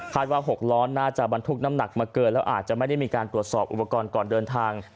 ว่า๖ล้อน่าจะบรรทุกน้ำหนักมาเกินแล้วอาจจะไม่ได้มีการตรวจสอบอุปกรณ์ก่อนเดินทาง